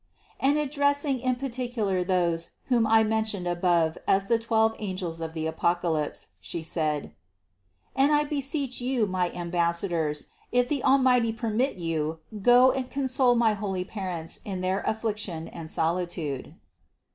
And addressing in par ticular those whom I mentioned above as the twelve angels of the Apocalypse, She said: "And I beseech you, my ambassadors, if the Almighty permit you, go and console my holy parents in their affliction and soli tude."